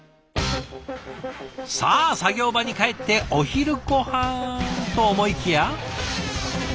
さあ作業場に帰ってお昼ごはんと思いきや。